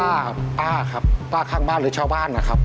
ป้าป้าครับป้าข้างบ้านหรือชาวบ้านนะครับ